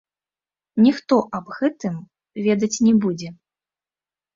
Ніхто аб гэтым ведаць не будзе.